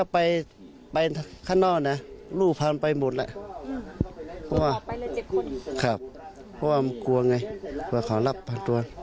เพราะว่ากลัวไงเพราะเขารับผ่านตัว